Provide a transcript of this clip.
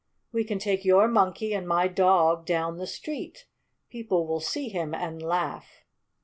"We can take your Monkey and my dog down the street. People will see him and laugh.